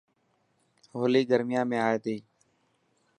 هولي گرميان ۾ آئي تي.